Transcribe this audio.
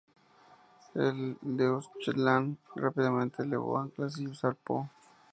El "Deutschland" rápidamente levó anclas y zarpó.